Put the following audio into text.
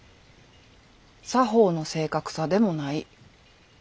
作法の正確さでもない。